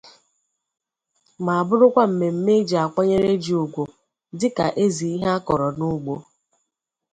ma bụrụkwa mmemme e ji akwanyere ji ùgwù dịka eze ihe a kọrọ n'ugbo